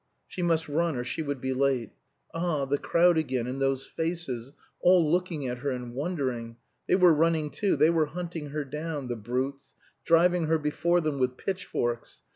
She must run or she would be late. Ah, the crowd again, and those faces all looking at her and wondering. They were running too, they were hunting her down, the brutes, driving her before them with pitchforks.